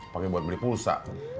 pake buat beli pulsa